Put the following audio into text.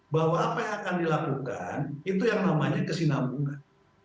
bahwa apa yang akan dilakukan itu yang namanya kesinambungan